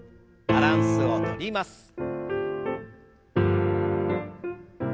バランスをとります。